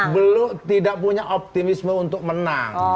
belum tidak punya optimisme untuk menang